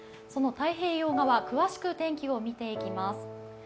その太平洋側詳しく天気を見ていきます。